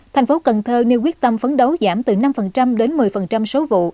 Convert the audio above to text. thành phố cần thơ nêu quyết tâm phấn đấu giảm từ năm đến một mươi số vụ